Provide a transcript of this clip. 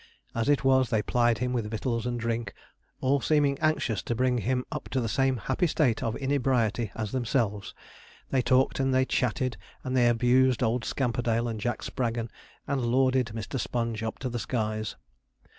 As it was, they plied him with victuals and drink, all seeming anxious to bring him up to the same happy state of inebriety as themselves. They talked and they chattered, and they abused Old Scamperdale and Jack Spraggon, and lauded Mr. Sponge up to the skies.